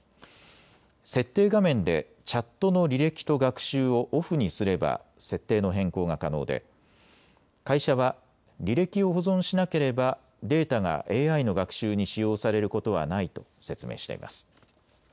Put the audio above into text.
設定画面でチャットの履歴と学習をオフにすれば設定の変更が可能で会社は履歴を保存しなければデータがＡＩの学習に使用されることはないと説明しています。